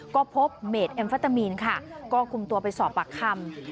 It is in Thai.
ก็พบเมดแอมเฟตามีนค่ะก็คุมตัวไปสอบปากคำ